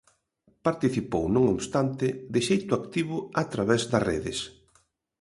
Participou, non obstante, de xeito activo a través das redes.